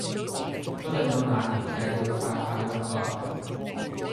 不論到那兒也要快快樂樂